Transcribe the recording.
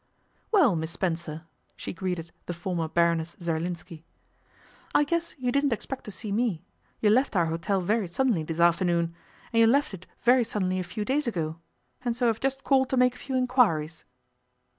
'Well, Miss Spencer,' she greeted the former Baroness Zerlinski, 'I guess you didn't expect to see me. You left our hotel very suddenly this afternoon, and you left it very suddenly a few days ago; and so I've just called to make a few inquiries.